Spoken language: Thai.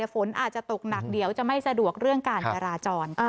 ฝนอาจจะตกหนักเดี๋ยวจะไม่สะดวกเรื่องการจราจร